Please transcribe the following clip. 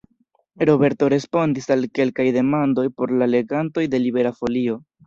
Roberto respondis al kelkaj demandoj por la legantoj de Libera Folio.